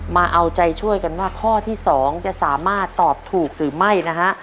มาเอาใจช่วยกันว่าข้อที่๒จะสามารถตอบถูกหรือไม่นะฮะ